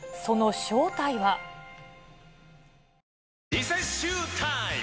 リセッシュータイム！